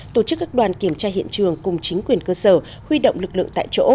tổ chức các đoàn kiểm tra hiện trường cùng chính quyền cơ sở huy động lực lượng tại chỗ